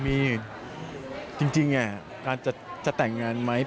มีจริงการจะแต่งงานไหม